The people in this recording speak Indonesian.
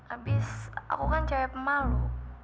abis aku kan kayak pemalu